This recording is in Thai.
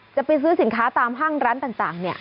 จะไปซื้อสินค้าตามห้างร้านต่าง